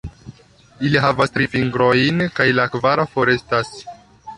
Ili havas tri fingrojn, kaj la kvara forestas.